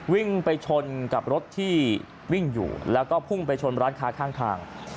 วิ่งไปชนกับรถที่วิ่งอยู่แล้วก็พุ่งไปชนร้านค้าข้างทาง